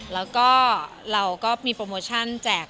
แล้วก็เราก็มีโปรโมชั่นแจก